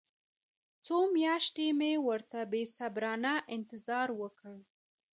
څو میاشتې مې ورته بې صبرانه انتظار وکړ.